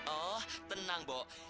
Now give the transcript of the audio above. oh tenang bok